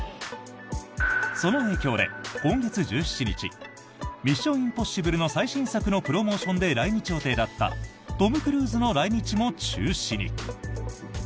その影響で今月１７日「ミッション：インポッシブル」の最新作のプロモーションで来日予定だったトム・クールズの来日も中止に。